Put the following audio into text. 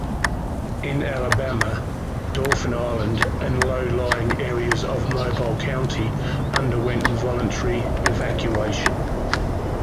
In Alabama, Dauphin Island and low lying areas of Mobile County underwent voluntary evacuation.